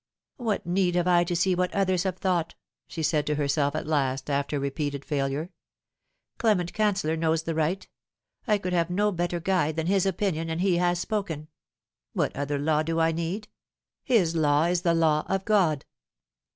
" What need have I to see what others have thought ?" she said to herself at last, after repeated failure ;" Clement Can cellor knows the right. I could have no better guide than his opinion, and he has spoken. What other law do I need ? His law is the law of God."